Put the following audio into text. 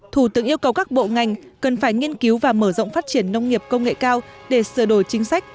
thủ tướng yêu cầu các bộ ngành cần phải nghiên cứu và mở rộng phát triển nông nghiệp công nghệ cao để sửa đổi chính sách